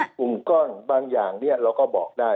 เป็นกลุ่มก้อนบางอย่างเราก็บอกได้